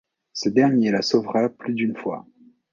Ce dernier le sauvera plus d'une fois…